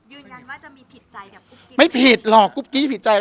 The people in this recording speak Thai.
ยืนยันว่าจะมีผิดใจแต่ไม่ผิดหรอกกุ๊บกี้ผิดใจอะไร